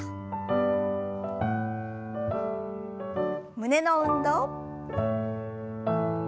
胸の運動。